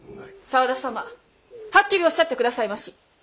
沢田様はっきりおっしゃってくださいまし！